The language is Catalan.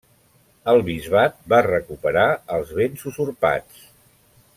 El bisbat va recuperar els béns usurpats.